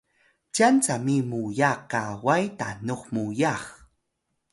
cyan cami muya kaway tanux muyax